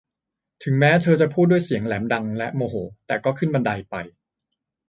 ถึงแม้เธอจะพูดด้วยเสียงแหลมดัง และ โมโห แต่ก็ขึ้นบันไดไป